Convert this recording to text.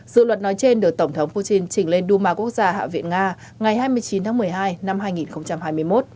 dự luật nói trên được tổng thống putin trình lên duma quốc gia hạ viện nga ngày hai mươi chín tháng một mươi hai năm hai nghìn hai mươi một